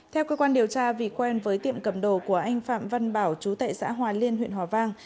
theo cơ quan điều tra vì quen với tiệm cầm đồ của anh phạm văn bảo chú tệ xã hòa liên huyện hòa vang